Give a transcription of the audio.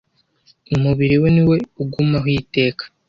Umubiri we niwo ugumaho iteka